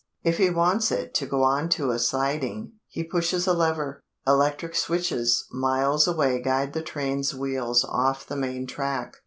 If he wants it to go onto a siding, he pushes a lever. Electric switches miles away guide the train's wheels off the main track.